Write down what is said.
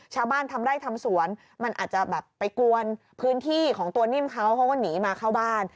ทำไร่ทำสวนมันอาจจะแบบไปกวนพื้นที่ของตัวนิ่มเขาเขาก็หนีมาเข้าบ้าน